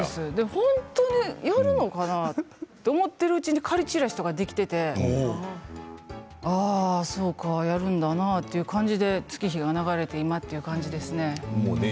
本当にやるのかなと思っているうちに仮ちらしができていてそうかやるんだなという感じで月日が流れて今という感じですね。